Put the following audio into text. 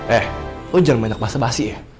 eh lo jangan banyak bahasa basi ya